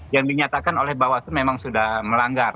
yang dinyatakan oleh bawaslu memang sudah melanggar